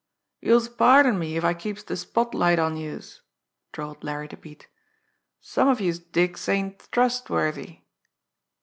"Youse'll pardon me if I keeps de spot light on youse," drawled Larry the Bat, "Some of youse dicks ain't trustworthy."